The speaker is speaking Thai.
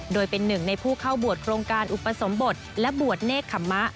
โดยเป็นหนึ่งในผู้เข้าบวชโครงการอุปสมบทและบวชเนกขมะ